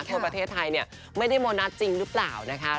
ทั่วประเทศไทยไม่ได้โมนัสจริงหรือเปล่านะคะ